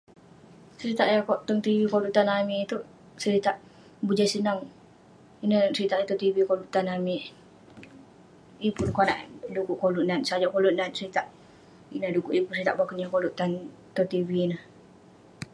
Seritak yah tong tv koluk tan amik itouk, seritak bujang senang, ineh seritak yah tong tv koluk tan amik..yeng pun konak du'kuk koluk nat, sajak koluk nat seritak ineh du'kuk yeng pun seritak boken yah koluk tan tong tv ineh